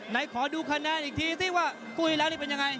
ไหนขอดูคะแนนอีกทีสิว่าคุยแล้วนี่เป็นยังไง